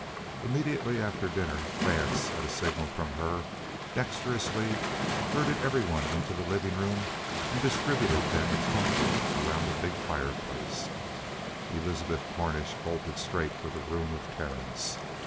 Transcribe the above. Immediately after dinner Vance, at a signal from her, dexterously herded everyone into the living room and distributed them in comfort around the big fireplace; Elizabeth Cornish bolted straight for the room of Terence.